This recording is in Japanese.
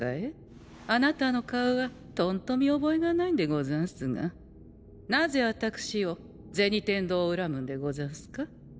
あなたの顔はとんと見覚えがないんでござんすがなぜあたくしを銭天堂を恨むんでござんすか？